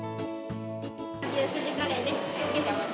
牛すじカレーです。